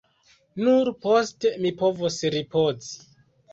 Nur poste mi povos ripozi.